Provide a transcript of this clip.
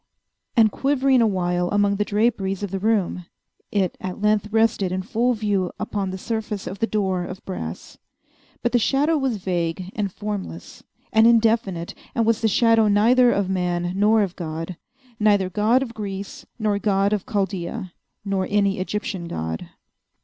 And quivering awhile among the draperies of the room, it at length rested in full view upon the surface of the door of brass. But the shadow was vague, and formless, and indefinite, and was the shadow neither of man nor of God—neither God of Greece, nor God of Chaldaea, nor any Egyptian God.